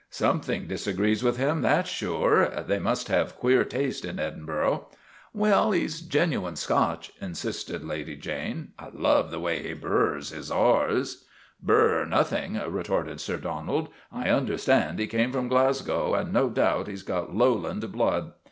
' Something disagrees with him, that's sure. They must have queer taste in Edinburgh." " Well, he 's genuine Scotch," insisted Lady Jane. " I love the way he burs his R's." " Burs nothing !' retorted Sir Donald. " I un derstand he came from Glasgow, and no doubt he 's got Lowland blood.